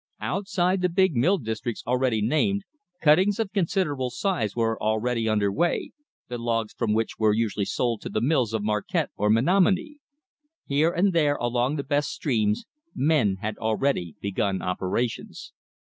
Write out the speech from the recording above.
Outside the big mill districts already named, cuttings of considerable size were already under way, the logs from which were usually sold to the mills of Marquette or Menominee. Here and there along the best streams, men had already begun operations.